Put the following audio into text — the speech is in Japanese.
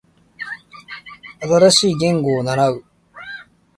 新しい言語を習う